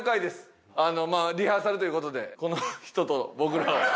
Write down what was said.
リハーサルという事でこの人と僕の。